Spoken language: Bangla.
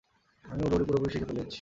আমি উড়াউড়ি পুরোপুরি শিখে ফেলেছি!